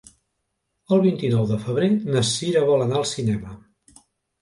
El vint-i-nou de febrer na Cira vol anar al cinema.